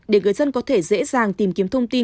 để người dân có thể dễ dàng tìm kiếm thông tin